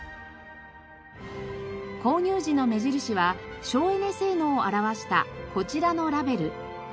購入時の目印は省エネ性能を表したこちらのラベル。